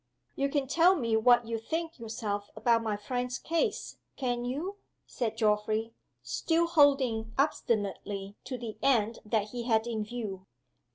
"You can tell me what you think yourself about my friend's case can't you?" said Geoffrey, still holding obstinately to the end that he had in view.